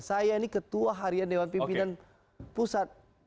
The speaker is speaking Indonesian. saya ini ketua harian dewan pimpinan pusat